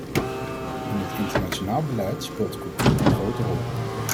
In het internationaal beleid speelt cultuur een grote rol.